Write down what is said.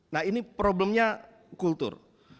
nah ini problemnya kultur